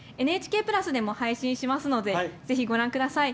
「ＮＨＫプラス」でも配信しますのでぜひ、ご覧ください。